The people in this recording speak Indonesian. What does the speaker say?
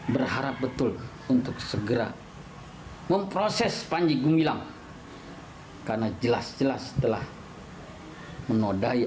berharap betul untuk segera memproses panji gumilang karena jelas jelas telah menodai